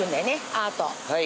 アート。